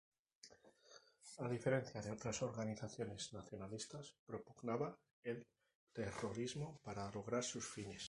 A diferencia de otras organizaciones nacionalistas, propugnaba el terrorismo para lograr sus fines.